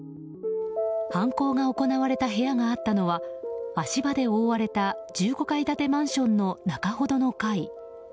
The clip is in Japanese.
犯行が行われた部屋があったのは足場で覆われた１５階建てマンションの中ほどの階。